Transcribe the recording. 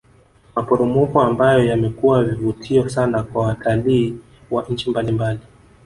Maporomoko ambayo yamekuwa vivutio sana kwa watalii wa nchi mbalimbali